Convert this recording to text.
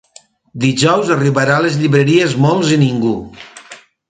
Dijous arribarà a les llibreries Molts i ningú.